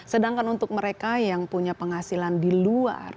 sedangkan untuk mereka yang punya penghasilan di luar